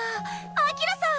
アキラさん！